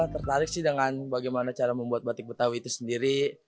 tertarik sih dengan bagaimana cara membuat batik betawi itu sendiri